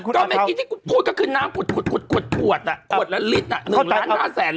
ก็เมื่อกี้ที่พูดก็คือน้ำขวดขวดละลิตร